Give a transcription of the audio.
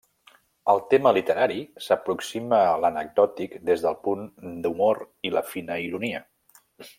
El tema literari s'aproxima a l'anecdòtic des del punt d'humor i la fina ironia.